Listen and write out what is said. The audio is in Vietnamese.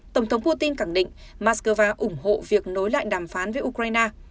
tổng thống putin khẳng định moscow ủng hộ việc nối lại đàm phán với ukraine